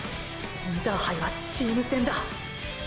“インターハイはチーム戦”だ。